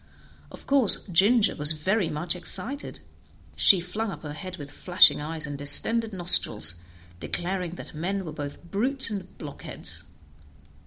Of course Ginger was very much excited; she flung up her head with flashing eyes and distended nostrils, declaring that men were both brutes and blockheads.